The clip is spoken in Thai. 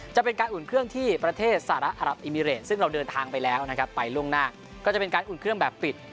จะเป็นการอุ่นเครื่องที่ประเทศสหรัฐอรับอิมิเรตซึ่งเราเดินทางไปแล้วนะครับไปล่วงหน้าก็จะเป็นการอุ่นเครื่องแบบปิด